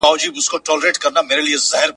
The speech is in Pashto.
له دریمه چي بېغمه دوه یاران سول ,